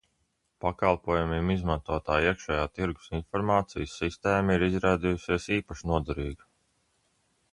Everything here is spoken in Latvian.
Pakalpojumiem izmantotā iekšējā tirgus informācijas sistēma ir izrādījusies īpaši noderīga.